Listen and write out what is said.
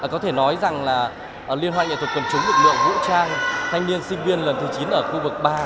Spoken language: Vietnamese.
có thể nói rằng là liên hoan nhạc thuật cầm chúng nguyện lượng vũ trang thanh niên sinh viên lần thứ chín ở khu vực ba